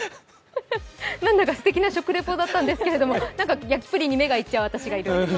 なんだかすてきな食レポだったんですけど焼きプリンに目がいっちゃう私がいる。